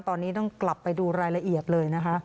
ตอนนี้ต้องกลับไปดูรายละเอียดเลยนะคะ